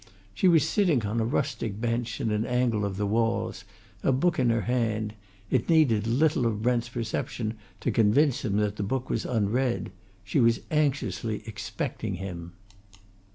She was sitting on a rustic bench in an angle of the walls, a book in her hand; it needed little of Brent's perception to convince him that the book was unread: she was anxiously expecting him.